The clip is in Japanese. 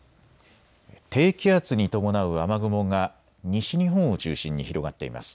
低気圧に伴う雨雲が西日本を中心に広がっています。